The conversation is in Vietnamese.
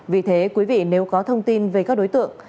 vì thế quý vị nếu có thông tin về các đối tượng